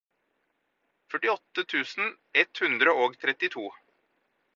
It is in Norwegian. førtiåtte tusen ett hundre og trettito